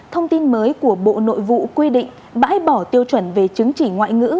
thông tin mới của bộ nội vụ quy định bãi bỏ tiêu chuẩn về chứng chỉ ngoại ngữ